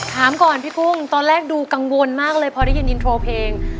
ถามก่อนพี่กุ้งตอนแรกดูกังวลมากเลยพอได้ยินอินโทรเพลง